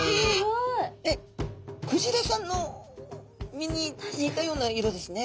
クジラさんの身に似たような色ですね。